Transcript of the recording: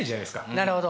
なるほど。